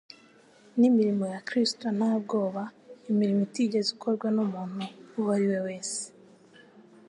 n'imirimo ya Kristo nta bwoba, imirimo itigeze ikorwa n'umuntu uwo ari we wese,